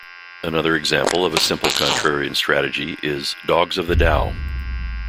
Another example of a simple contrarian strategy is Dogs of the Dow.